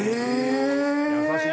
優しい。